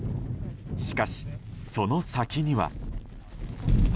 しかし、その先には。